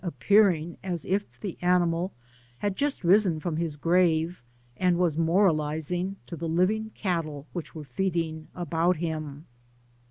ppearing as if the animal had just risen from his grave, and was moralising to the living cattle which were feeding about him.